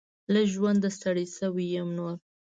له ژونده ستړي شوي يم نور .